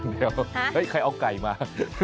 เดี๋ยวเฮ้ยใครเอาไก่มา